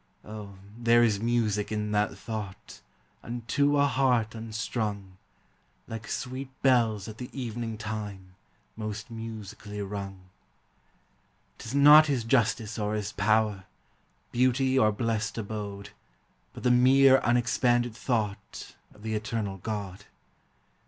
Oh, there is music in that thought, Unto a heart unstrung, Like sweet bells at the evening time, Most musically rung. 'Tis not his justice or his power, Beauty or blest abode, But the mere unexpanded thought Of the eternal God.